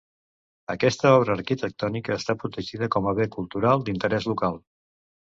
Aquesta obra arquitectònica està protegida com a bé cultural d'interès local.